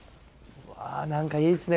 うわ何かいいっすね